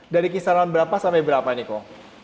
dari kisaran berapa sampai berapa nih kok